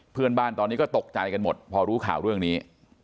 เพื่อนบ้านตอนนี้ก็ตกใจกันหมดพอรู้ข่าวเรื่องนี้